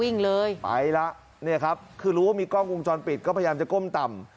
วิ่งเลยไปแล้วเนี่ยครับคือรู้ว่ามีกล้องวงจรปิดก็พยายามจะก้มต่ำ